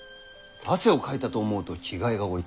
汗をかいたと思うと着替えが置いてある。